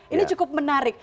ini cukup menarik